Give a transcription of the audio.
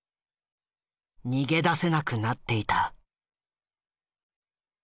逃げ出せなくなっていた。